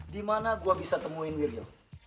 di mana gue bisa temuin wirjo